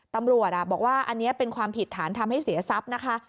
ตำรวจบอกว่าอันนี้เป็นความผิดฐานทำให้เสียทรัพย์นะคะ